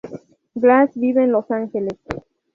Glass vive en Los Ángeles.